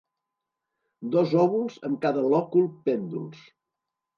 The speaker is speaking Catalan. Dos òvuls en cada lòcul pènduls.